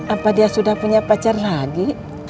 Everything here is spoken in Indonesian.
apa dia sudah punya pacar lagi